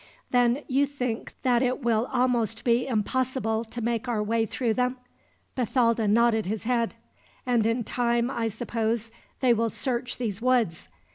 "Then you think that it will almost be impossible to make our way through them?" Bathalda nodded his head. "And in time, I suppose, they will search these woods?"